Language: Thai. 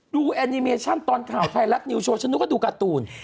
แอนิเมชั่นตอนข่าวไทยรัฐนิวโชว์ฉันนึกว่าดูการ์ตูน